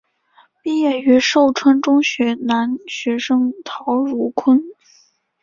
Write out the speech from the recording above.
毕业于寿春中学男学生陶汝坤。